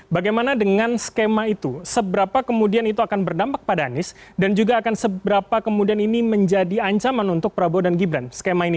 bagaimana dengan skema itu seberapa kemudian itu akan berdampak pada anies dan juga akan seberapa kemudian ini menjadi ancaman untuk prabowo dan gibran skema ini